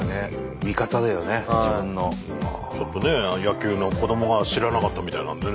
ちょっとね野球の子どもが知らなかったみたいなのでね